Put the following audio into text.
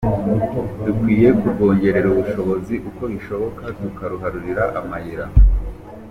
Dukwiye kurwongerera ubushobozi uko bishoboka tukaruharurira amayira.